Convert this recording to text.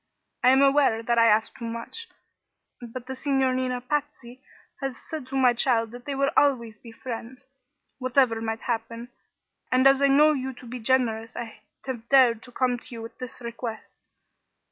I am aware that I ask too much; but the Signorina Patsy has said to my child that they would always be friends, whatever might happen, and as I know you to be generous I have dared to come to you with this request.